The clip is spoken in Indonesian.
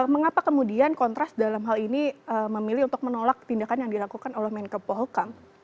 mengapa kemudian kontras dalam hal ini memilih untuk menolak tindakan yang dilakukan oleh menko pohukam